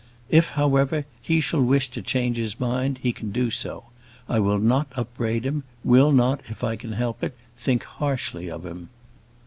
If, however, he shall wish to change his mind, he can do so. I will not upbraid him; will not, if I can help it, think harshly of him.